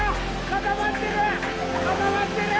固まってる！